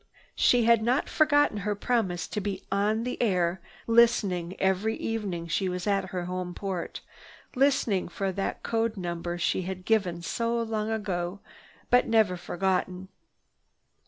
She had not forgotten her promise to be on the air listening every evening she was at her home port, listening for that code number she had given so long ago, but never forgotten.